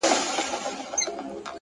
مړ يې کړم اوبه له ياده وباسم ـ